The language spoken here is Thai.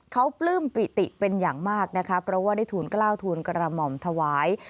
เขาปลื้มปิติเป็นอย่างมากนะคะเพราะว่าได้ทูลกล้าวทูลกระหม่อมถวาย